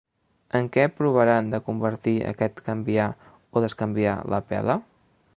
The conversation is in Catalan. En què provaran de convertir aquest "canviar o descanviar la pela"?